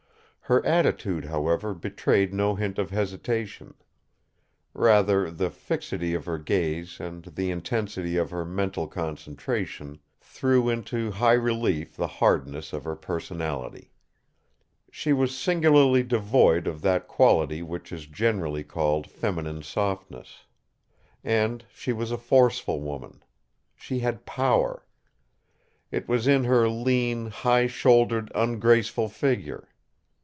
Her attitude, however, betrayed no hint of hesitation. Rather, the fixity of her gaze and the intensity of her mental concentration threw into high relief the hardness of her personality. She was singularly devoid of that quality which is generally called feminine softness. And she was a forceful woman. She had power. It was in her lean, high shouldered, ungraceful figure.